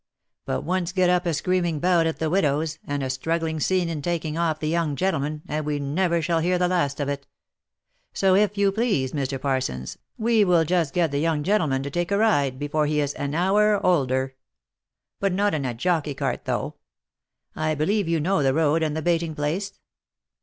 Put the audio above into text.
But once get up a screaming bout at the widow's, and a struggling scene in taking off the young gentleman, and we never shall hear the last of it. So, if you please, Mr. Parsons, we will just get the young gentleman to take a ride before he is an hour older. But not in a jockey cart though. I believe you know the road and the baiting place